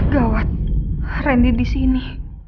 gawat randy disini